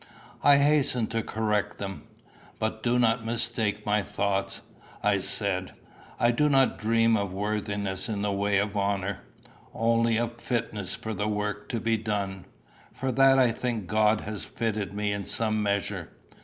I hastened to correct them: "But do not mistake my thoughts," I said; "I do not dream of worthiness in the way of honour only of fitness for the work to be done. For that I think God has fitted me in some measure.